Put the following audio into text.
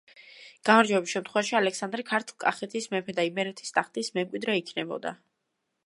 გამარჯვების შემთხვევაში ალექსანდრე ქართლ-კახეთის მეფე და იმერეთის ტახტის მემკვიდრე იქნებოდა.